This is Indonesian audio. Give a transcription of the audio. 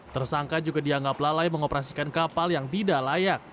tersangka juga dianggap lalai mengoperasikan kapal yang tidak layak